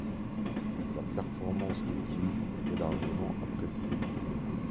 La performance de Kim est largement appréciée.